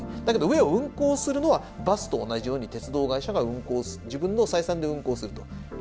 だけど上を運行するのはバスと同じように鉄道会社が運行自分の採算で運行すると。